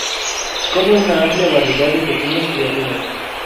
Come una amplia variedad de pequeñas criaturas.